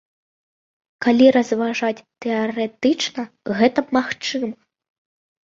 Калі разважаць тэарэтычна, гэта магчыма.